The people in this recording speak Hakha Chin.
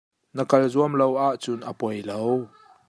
Na kal zuam lo ahcun a poilo.